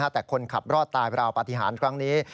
แต่คนขับรอดตายราวปฏิหารครั้งนี้